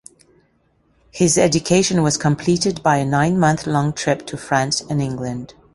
His education was completed by a nine-month-long trip to France and England.